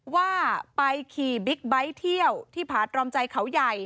ว่าไปขี่บิ๊กไบท์เที่ยวที่ผาตรอมใจเขาใหญ่